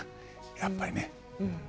やっぱりね。